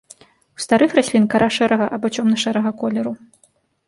У старых раслін кара шэрага або цёмна-шэрага колеру.